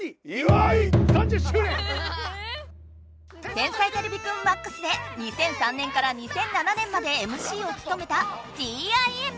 「天才てれびくんＭＡＸ」で２００３年から２００７年までＭＣをつとめたＴＩＭ。